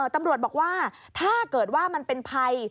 ตำรวจบอกว่าถ้าเกิดว่ามันเป็นภัย